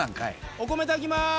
お米炊きます。